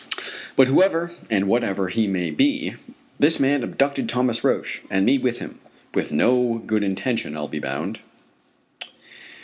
But whoever and whatever he may be, this man abducted Thomas Roch and me with him with no good intention, I'll be bound.